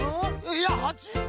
いや８番？